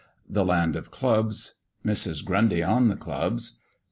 THE LAND OF CLUBS. MRS. GRUNDY ON THE CLUBS. ST.